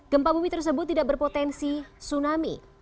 gempa bumi tersebut tidak berpotensi tsunami